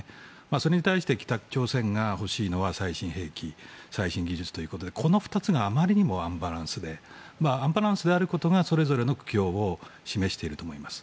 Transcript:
それに対して北朝鮮が欲しいのは最新兵器、最新技術ということでこの２つがあまりにもアンバランスでアンバランスであることがそれぞれの苦境を示していると思います。